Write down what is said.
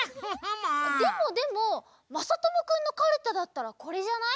でもでもまさともくんのカルタだったらこれじゃない？